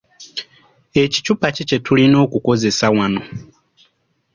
Ekicupa ki kye tulina okukozesa wano?